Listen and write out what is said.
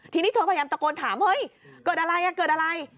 ทีนี้เธอพยายามตะโกนถามเฮ้ยเกิดอะไรอ่ะเกิดอะไร